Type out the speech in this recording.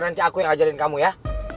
nanti aku yang ngajarin kamu ya